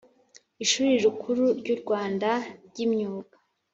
Ishuri Rikuru ryuRwanda ryImyuga